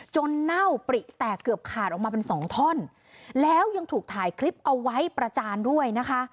เน่าปริแตกเกือบขาดออกมาเป็นสองท่อนแล้วยังถูกถ่ายคลิปเอาไว้ประจานด้วยนะคะ